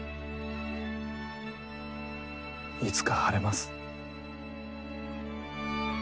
いつか晴れます。